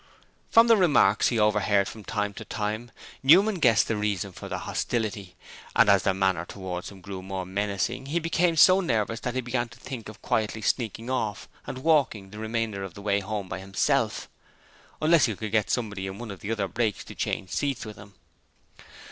From the remarks he overheard from time to time, Newman guessed the reason of their hostility, and as their manner towards him grew more menacing, he became so nervous that he began to think of quietly sneaking off and walking the remainder of the way home by himself, unless he could get somebody in one of the other brakes to change seats with him.